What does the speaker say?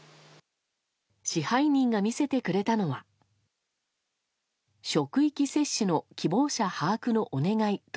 支配人が見せてくれたのは職域接種の希望者把握のお願いと